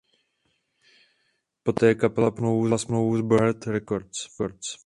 Poté kapela podepsala smlouvu s Burning Heart Records.